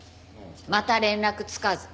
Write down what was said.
また連絡つかずです。